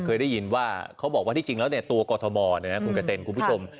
เคยได้ยินว่าเขาบอกว่าที่จริงแล้วตัวกรทมคุณกระเต็นคุณผู้ชม